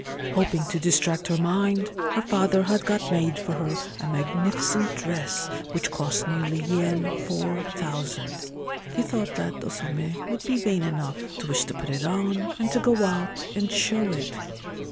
Hoping to distract her mind, her father had got made for her a magnificent dress which cost nearly yen 4000. He thought that O Same would be vain enough to wish to put it on, and to go out and show it.